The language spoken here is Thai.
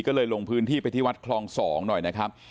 ก็เลยลงพื้นที่ไปที่วัดคลอง๒หน่อยนะครับ